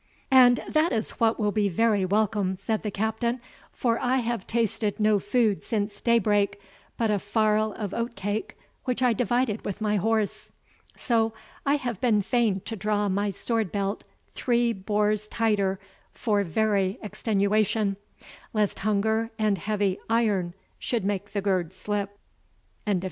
"And that is what will be very welcome," said the Captain, "for I have tasted no food since daybreak but a farl of oatcake, which I divided with my horse. So I have been fain to draw my sword belt three bores tighter for very extenuation, lest hunger and heavy iron should make the gird slip." CHAPTER IV.